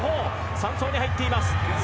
３走に入っています。